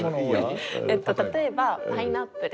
えっと例えばパイナップル。